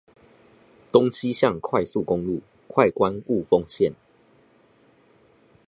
東西向快速公路快官霧峰線